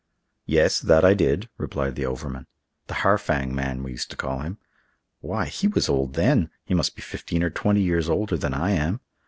"Yes, that I did," replied the overman. "The Harfang man, we used to call him. Why, he was old then! He must be fifteen or twenty years older than I am.